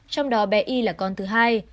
trong đó bé y là con thứ hai